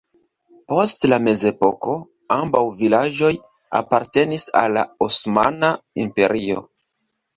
Post la mezepoko ambaŭ vilaĝoj apartenis al la Osmana Imperio.